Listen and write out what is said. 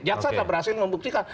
jaksa sudah berhasil membuktikan